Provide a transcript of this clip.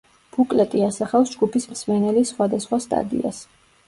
ბუკლეტი ასახავს „ჯგუფის მსმენელის სხვადასხვა სტადიას“.